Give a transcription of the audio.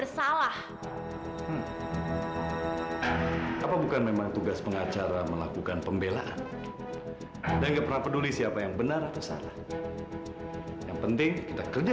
sampai jumpa di video selanjutnya